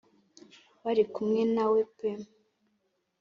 barikumwe na we pe